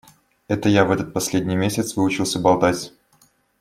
Это я в этот последний месяц выучился болтать.